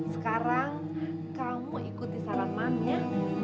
sekarang kamu ikuti saran mami ya